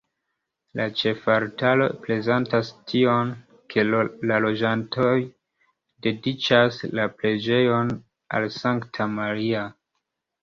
La ĉefaltaro prezentas tion, ke la loĝantoj dediĉas la preĝejon al Sankta Maria.